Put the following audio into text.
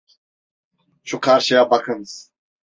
Şu karşıya bakınız!